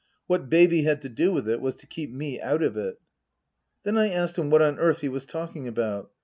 What Baby had to do with it was to keep me out of it. Then I asked him what on earth he was talking about.